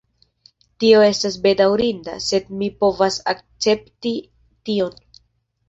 Tio estas bedaŭrinda, sed mi povas akcepti tion.